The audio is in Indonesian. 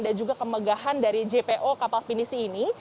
dan juga kemegahan dari jpo kapal penisi ini